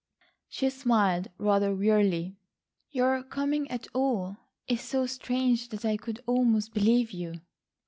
She smiled rather wearily, "Your coming at all is so strange that I could almost believe you."